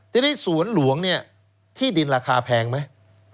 ที่นี่สวนหลวงที่ดินราคาแพงไหม